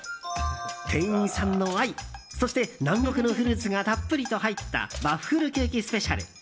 店員さんの愛そして南国のフルーツがたっぷりと入ったワッフルケーキスペシャル！